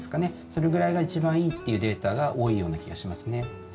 それぐらいが一番いいというデータが多いような気がしますね。